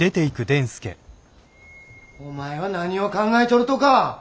お前は何を考えちょるとか！